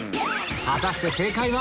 果たして正解は？